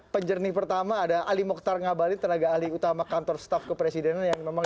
penjernih pertama ada ali mokhtar ngabalin tenaga ahli utama kantor staff kepresidenan yang memang